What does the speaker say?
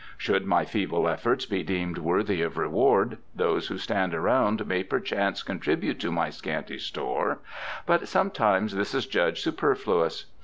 Should my feeble efforts be deemed worthy of reward, those who stand around may perchance contribute to my scanty store, but sometimes this is judged superfluous.